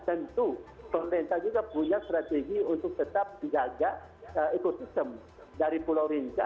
tentu pemerintah juga punya strategi untuk tetap menjaga ekosistem dari pulau rinca